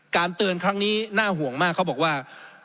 เตือนครั้งนี้น่าห่วงมากเขาบอกว่า